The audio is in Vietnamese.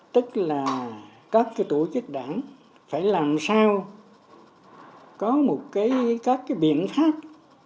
tức là các tổ chức đảng phải làm sao có một các biện pháp